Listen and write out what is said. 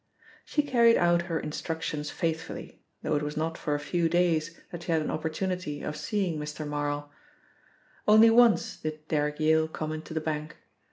She carried out her instructions faithfully, though it was not for a few days that she had an opportunity of seeing Mr. Marl. Only once did Derrick Yale come into the bank.